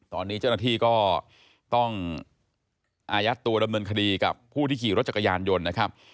ตอนนี้เจ้าหน้าที่ก็ต้องอายัดตัวดำเนินคดีกับผู้ที่ขี่รถจักรยานยนต์นะครับ